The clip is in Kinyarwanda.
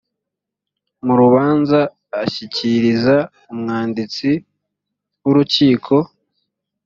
mu rubanza ashyikiriza umwanditsi w urukiko